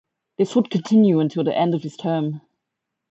This would continue until the end of his term.